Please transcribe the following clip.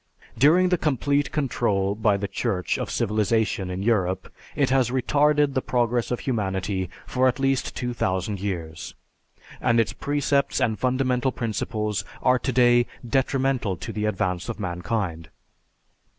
During the complete control by the Church of civilization in Europe, it has retarded the progress of humanity for at least 2000 years, and its precepts and fundamental principles are today detrimental to the advance of mankind.